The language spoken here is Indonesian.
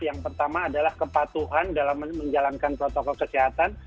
yang pertama adalah kepatuhan dalam menjalankan protokol kesehatan